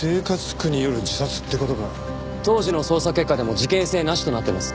当時の捜査結果でも事件性なしとなってます。